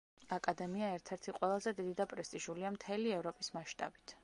აკადემია ერთ-ერთი ყველაზე დიდი და პრესტიჟულია მთელი ევროპის მასშტაბით.